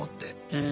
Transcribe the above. うん。